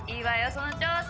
その調子！